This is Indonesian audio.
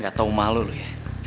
gak tau malu loh ya